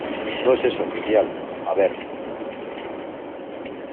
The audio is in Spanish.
no es eso, oficial. a ver .